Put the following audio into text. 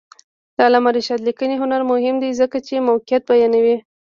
د علامه رشاد لیکنی هنر مهم دی ځکه چې موقعیت بیانوي.